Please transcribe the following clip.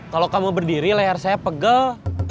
kalau kamu berdiri leher saya pegel